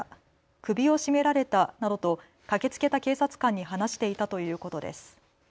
首を絞められたなどと駆けつけた警察官に話していたということです。